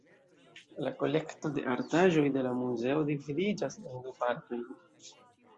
La kolekto de artaĵoj de la muzeo dividiĝas en du partojn.